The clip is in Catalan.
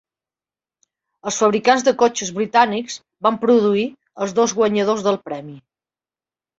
Els fabricants de cotxes britànics van produir els dos guanyadors del premi.